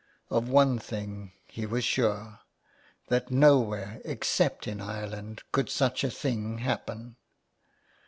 Of one thing he was sure : that nowhere except in Ireland could such a thing happen.